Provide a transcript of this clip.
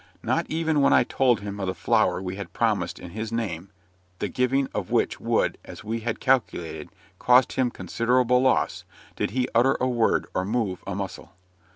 Not even when I told him of the flour we had promised in his name, the giving of which would, as we had calculated, cost him considerable loss, did he utter a word or move a muscle.